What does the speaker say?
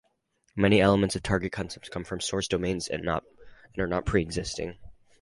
Many elements of target concepts come from source domains and are not preexisting.